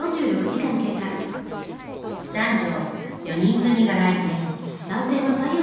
男女４人組が来店。